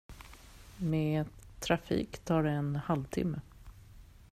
Med trafik tar det en halvtimme.